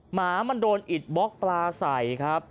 หมามันโดนอิดบล็อกปลาใส่ครับ